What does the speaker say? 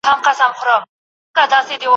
په نوراني غېږ کي دي مه لویوه